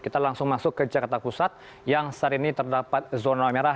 kita langsung masuk ke jakarta pusat yang saat ini terdapat zona merah